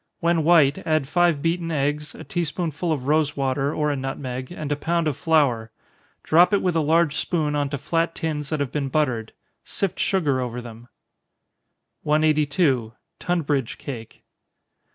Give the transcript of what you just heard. When white, add five beaten eggs, a tea spoonful of rosewater, or a nutmeg, and a pound of flour. Drop it with a large spoon on to flat tins that have been buttered sift sugar over them. 182. _Tunbridge Cake.